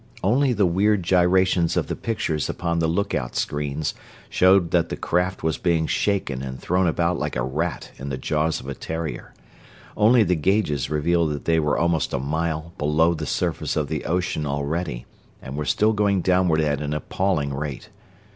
Only the weird gyrations of the pictures upon the lookout screens showed that the craft was being shaken and thrown about like a rat in the jaws of a terrier; only the gauges revealed that they were almost a mile below the surface of the ocean already, and were still going downward at an appalling rate.